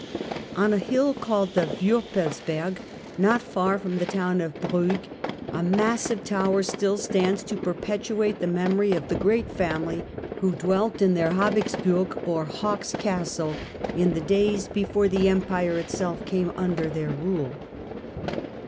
On a The Habs hill called the Wiilpelsberg, not far from the town of '^^"^^"^ Brugg, a massive tower still stands to perpetuate the memory of the great family who dwelt in their Habichts hurg or Hawk's Castle, in the days before the Empire itself came under their rule.